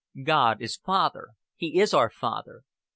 "'God is Father; He is our Father.